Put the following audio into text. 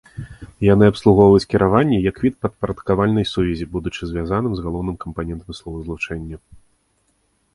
Яны абслугоўваюць кіраванне як від падпарадкавальнай сувязі, будучы звязаны з галоўным кампанентам словазлучэння.